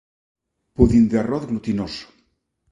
Pudin de arroz glutinoso.